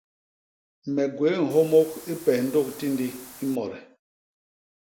Me gwéé nhyômôk i pes ndôk Tindi i Mode.